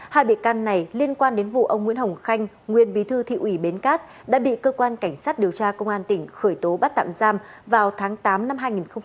hai bị can này liên quan đến vụ ông nguyễn hồng khanh nguyên bí thư thị ủy bến cát đã bị cơ quan cảnh sát điều tra công an tỉnh khởi tố bắt tạm giam vào tháng tám năm hai nghìn hai mươi ba